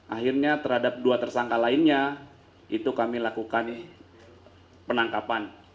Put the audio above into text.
akhirnya terhadap dua tersangka lainnya itu kami lakukan penangkapan